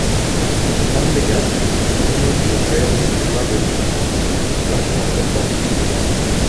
Among the guests were numerous Israeli celebrities and professional footballers.